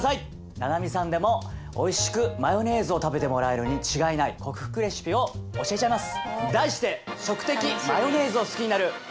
ＮＡＮＡＭＩさんでもおいしくマヨネーズを食べてもらえるに違いない克服レシピを教えちゃいます！